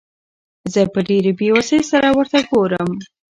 زه په ډېرې بېوسۍ سره ورته ګورم.